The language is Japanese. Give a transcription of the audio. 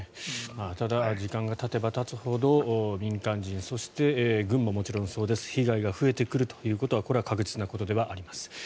ただ時間がたてばたつほど民間人そして、軍ももちろんそうです被害が増えてくるということはこれは確実なことではあります。